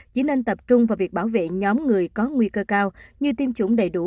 chỉ nên tập trung vào việc bảo vệ nhóm người có nguy cơ cao như tiêm chủng đầy đủ